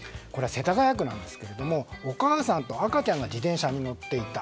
世田谷区ですがお母さんと赤ちゃんが自転車に乗っていた。